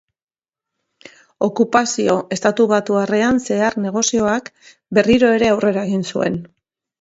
Okupazio estatubatuarrean zehar negozioak, berriro ere aurrera egin zuen.